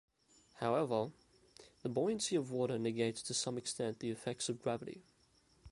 However, the buoyancy of water negates to some extent the effects of gravity.